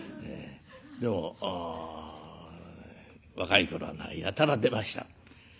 でも若い頃はやたら出ました。